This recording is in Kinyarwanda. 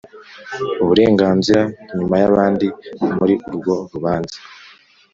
uburenganzira nyuma y abandi Muri urwo rubanza